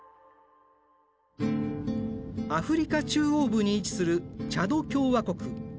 アフリカ中央部に位置するチャド共和国。